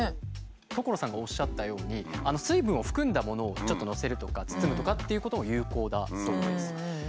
所さんがおっしゃったように水分を含んだものをちょっと載せるとか包むとかっていうことも有効だそうです。